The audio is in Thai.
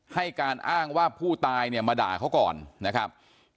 ให้การอ้างว่าผู้ตายเนี่ยมาด่าเขาก่อนนะครับ